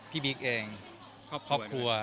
บิ๊กเองครอบครัว